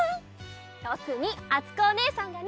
とくにあつこおねえさんがね！